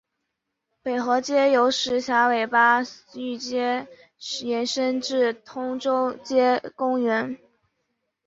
北河街由石硖尾巴域街伸延至通州街公园。